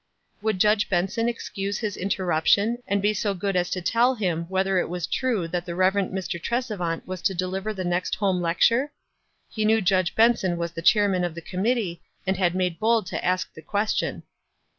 "Would Judge Benson excuse his interrup tion, and be so good as to tell him whether it was true that the Rev. Mr. Trcsevant was to deliver the next 'Home Lecture'? He knew Judge Benson was the Chairman of the Com mittee, and had made bold to ask the question."